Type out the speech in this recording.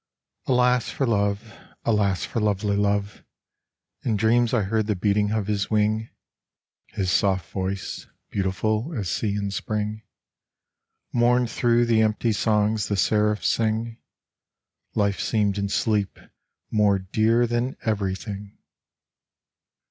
Alas for Love! alas for lovely Love! In dreams I heard the beating of his wing; His soft voice, beautiful as sea in spring, Mourned through the empty songs the seraphs sing; Life seemed in sleep more dear than everything.